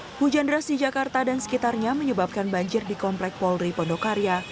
hai hujan deras di jakarta dan sekitarnya menyebabkan banjir di komplek polri pondokarya